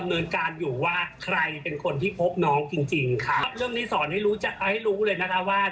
มาฟื้นฟูจิตวิทยาเด็กมาฟื้นฟูความรู้สึก